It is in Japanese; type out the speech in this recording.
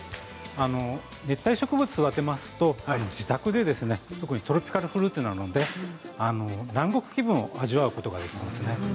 熱帯植物は育てますと自宅でトロピカルフルーツの南国気分を味わうことができます。